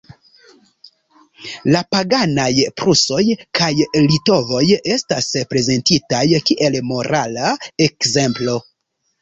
La paganaj prusoj kaj litovoj estas prezentitaj kiel morala ekzemplo.